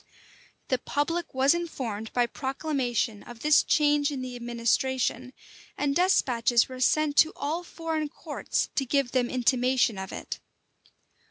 [*] The public was informed by proclamation of this change in the administration; and despatches were sent to all foreign courts to give them intimation of it.